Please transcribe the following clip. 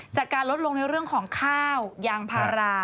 จากการลดลงในเรื่องของข้าวยางพารา